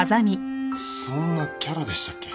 そんなキャラでしたっけ？